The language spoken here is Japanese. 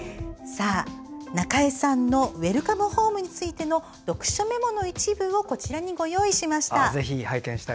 中江さんの「ウェルカム・ホーム！」の読書メモの一部をこちらにご用意しました。